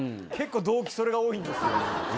結構動機それが多いんですよ。